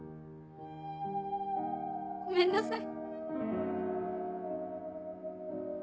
ごめんなさい。